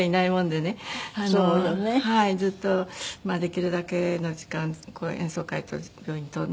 ずっとできるだけの時間演奏会と病院とをね